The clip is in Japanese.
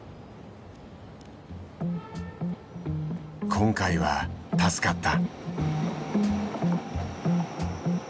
今回は助かった。